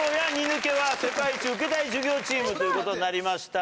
２抜けは「世界一受けたい授業チーム」ということになりました。